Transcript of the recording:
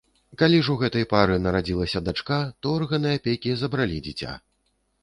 Калі ж у гэтай пары нарадзілася дачка, то органы апекі забралі дзіця.